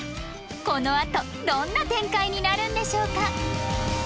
このあとどんな展開になるんでしょうか？